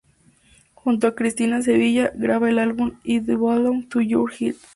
Junto a Cristina Sevilla graba el álbum "I Belong To Your Heart".